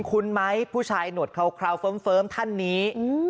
ุ้นไหมผู้ชายหนวดคราวเฟิ้มท่านนี้